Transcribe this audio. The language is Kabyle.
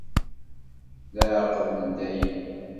D leɛqed n dayem.